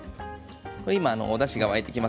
おだしが沸いています。